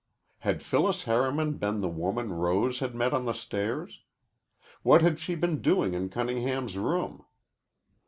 Had Phyllis Harriman been the woman Rose had met on the stairs? What had she been doing in Cunningham's room?